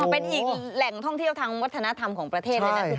เป็นอีกแหล่งท่องเที่ยวทางวัฒนธรรมของประเทศเลยนะ